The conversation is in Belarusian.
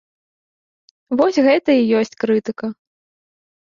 Вось гэта і ёсць крытыка.